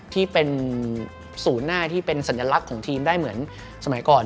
ที่เป็นศูนย์หน้าที่เป็นสัญลักษณ์ของทีมได้เหมือนสมัยก่อน